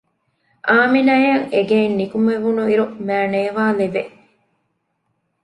އާމިނާއަށް އެގެއިން ނިކުމެވުނު އިރު މައިނޭވާ ލެވެ